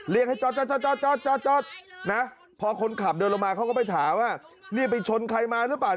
เรียกให้จ๊อตนะพอคนขับเดินลงมาเขาก็ไปถามว่าเรียกไปชนใครมาหรือป่ะ